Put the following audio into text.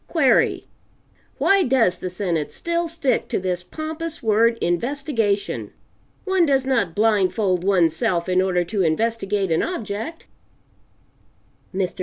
Query. Why does the Senate still stick to this pompous word, 'Investigation?' One does not blindfold one's self in order to investigate an object." Mr.